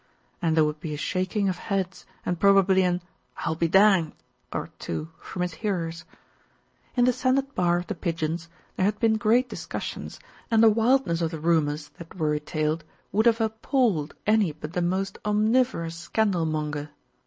and there would be a shaking of heads and probably an "I'll be danged" or two from his hearers. In the sanded bar of The Pigeons, there had been great discussions, and the wildness of the rumours that were retailed would have appalled any but the most 140 SMITH ACQUIRES REACH ME DOWNS 141 omnivorous scandal monger.